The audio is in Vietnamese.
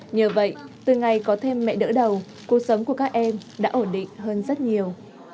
nhờ vậy từ ngày có thêm mẹ đỡ đầu cuộc sống của các em đã ổn định hơn rất nhiều